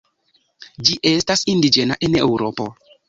Ĝi estas indiĝena en Eŭropo.